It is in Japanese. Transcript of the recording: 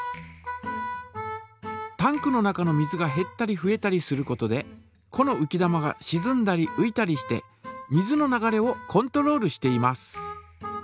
タンクの中の水がへったりふえたりすることでこのうき玉がしずんだりういたりして水の流れをコントロールしています。